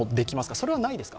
それはないですか？